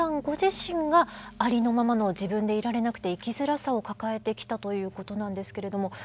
ご自身がありのままの自分でいられなくて生きづらさを抱えてきたということなんですけれども。